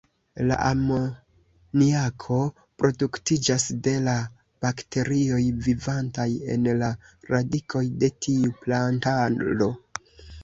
La amoniako produktiĝas de la bakterioj vivantaj en la radikoj de tiu plantaro.